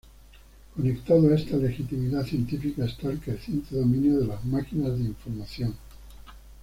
Conectada a esta legitimidad científica está el creciente dominio de las máquinas de información.